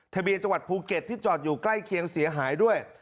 ทะเบียนจังหวัดภูเก็ตที่จอดอยู่ใกล้เคียงเสียหายด้วย